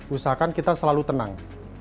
usahakan kita selalu tenang